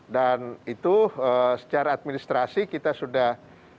dan itu secara administrasi kita sudah